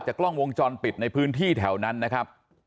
กล้องวงจรปิดในพื้นที่แถวนั้นนะครับ